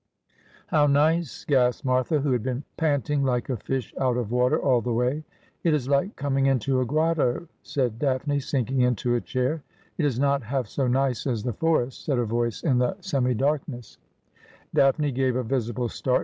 ' How nice !' gasped Martha, who had been panting like a fish out of water all the way. ' It is hke coming into a grotto,' said Daphne, sinkmg mto a It is not half so nice as the forest,' said a voice in the semi darkness. 28 Asphodel. Daphne gave a visible start.